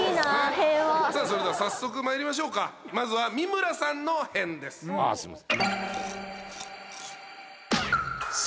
平和さあそれでは早速まいりましょうかまずは三村さんの変ですああすいません